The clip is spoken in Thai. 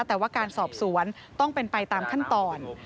แต่ว่าการสอบสวนต้องเป็นไปตามขั้นตอน